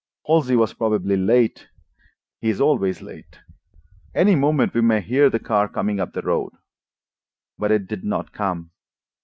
Halsey was probably late—he is always late. Any moment we may hear the car coming up the road." But it did not come.